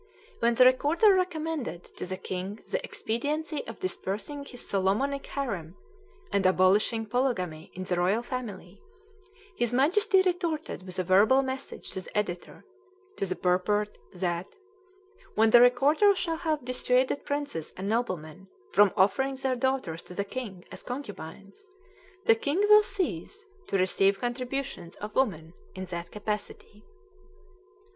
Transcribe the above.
When the Recorder recommended to the king the expediency of dispersing his Solomonic harem, and abolishing polygamy in the royal family, his Majesty retorted with a verbal message to the editor, to the purport that "when the Recorder shall have dissuaded princes and noblemen from offering their daughters to the king as concubines, the king will cease to receive contributions of women in that capacity."